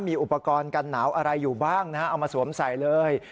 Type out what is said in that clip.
มีอุปกรณ์กันหนาวอะไรอยู่บ้างนะฮะเอามาสวมใส่เลย